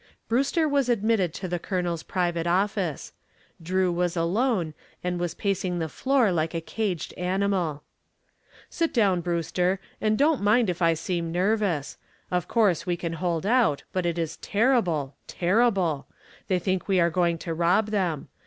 Brewster was admitted to the Colonel's private office. Drew was alone and was pacing the floor like a caged animal. "Sit down, Brewster, and don't mind if I seem nervous. Of course we can hold out, but it is terrible terrible. They think we are trying to rob them.